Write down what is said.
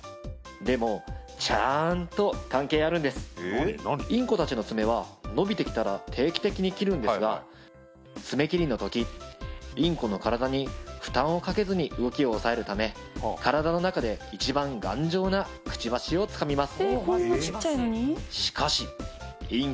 これでもインコたちの爪は伸びてきたら定期的に切るんですが爪切りの時インコの体に負担をかけずに動きを押さえるため体のなかで一番頑丈なくちばしをつかみます